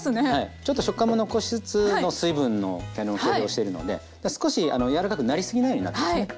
ちょっと食感も残しつつの水分のをしてるので少しあの柔らかくなりすぎないようになってますね。